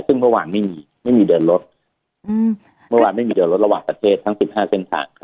ซึ่งเมื่อวานไม่มีไม่มีเดินรถเมื่อวานไม่มีเดินรถระหว่างประเทศทั้ง๑๕เส้นทาง